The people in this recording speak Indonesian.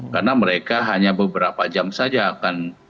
karena mereka hanya beberapa jam saja akan